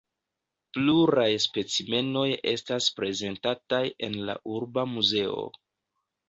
Pluraj specimenoj estas prezentataj en la Urba Muzeo.